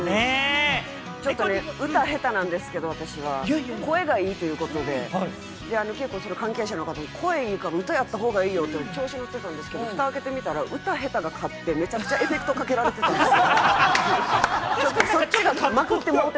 『ラブレター』という歌をト歌が下手なんですけれども、私は声がいいということで、結構、関係者の方にいいから歌やった方がいいよって調子乗ってたんですけれども、ふた開けてみたら、歌に下手だからめちゃくちゃエフェクトかけられてたんですよ。